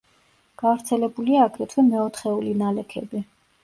გავრცელებულია აგრეთვე მეოთხეული ნალექები.